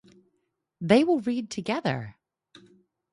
They will read together.